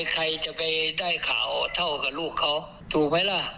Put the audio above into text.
ใครจะไปได้ข่าวเท่ากับลูกเขาถูกไหมล่ะ